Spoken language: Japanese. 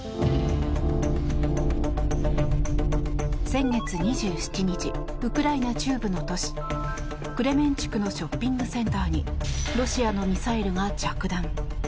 先月２７日ウクライナ中部の都市クレメンチュクのショッピングセンターにロシアのミサイルが着弾。